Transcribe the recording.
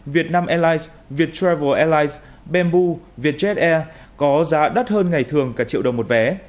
việt nam airlines viettravel airlines bamboo vietjet air có giá đắt hơn ngày thường cả triệu đồng một vé